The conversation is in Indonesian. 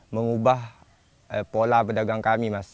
mengubah pola pedagang kami mas